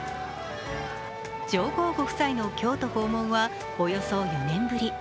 上皇ご夫妻の京都訪問はおよそ４年ぶり。